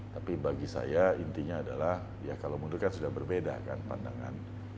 tapi bagi saya intinya adalah ya kalau mundur kan sudah berbeda kan pandangan